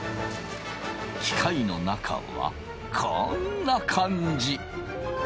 機械の中はこんな感じ。